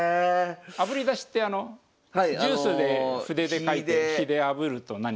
あぶり出しってあのジュースで筆で書いて火であぶると何かが出てくる。